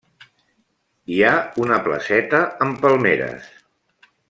Hi ha una placeta amb palmeres.